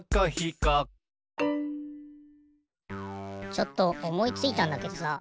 ちょっとおもいついたんだけどさ